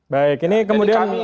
baik ini kemudian